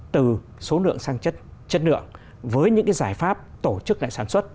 từ số lượng sang chất lượng với những giải pháp tổ chức sản xuất